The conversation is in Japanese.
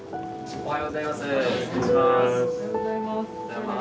おはようございます。